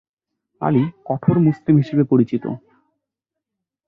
আলী কঠোর মুসলিম হিসেবে পরিচিত।